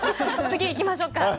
次いきましょうか！